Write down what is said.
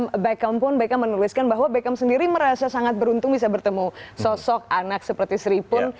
di beckham pun beckham menuliskan bahwa beckham sendiri merasa sangat beruntung bisa bertemu sosok anak seperti sri pun